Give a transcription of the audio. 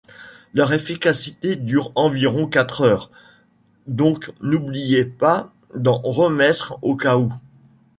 Leur efficacité dure environ quatre heures, donc n'oubliez pas d'en remettre au cas où...